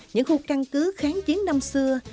những khu căn cứ kháng chiến năm xưa